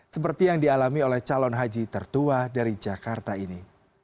seperti yang dialami oleh calon haji tertua dari jakarta ini